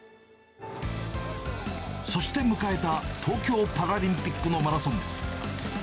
そして迎えた東京パラリンピックのマラソン。